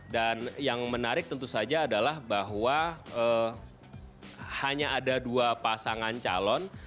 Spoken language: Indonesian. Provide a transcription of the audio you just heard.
dan yang menarik tentu saja adalah bahwa hanya ada dua pasangan calon